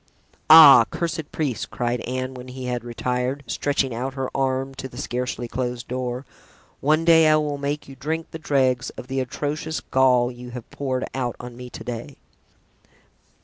"Ah, cursed priest!" cried Anne, when he had retired, stretching out her arm to the scarcely closed door, "one day I will make you drink the dregs of the atrocious gall you have poured out on me to day."